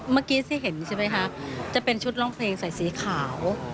เมื่อกี้ที่เห็นใช่ไหมคะจะเป็นชุดร้องเพลงใส่สีขาว